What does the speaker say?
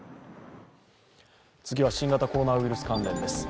次は新型コロナウイルス関連です。